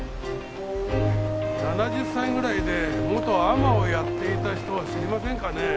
７０歳ぐらいで元海女をやっていた人は知りませんかね？